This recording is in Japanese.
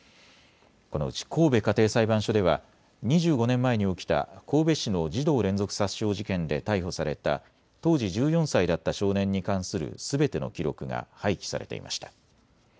このうち神戸家庭裁判所では２５年前に起きた神戸市の児童連続殺傷事件で逮捕された当時１４歳だった少年に関するすべての記録が廃棄されていました。